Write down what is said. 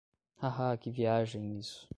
Haha, que viagem, isso.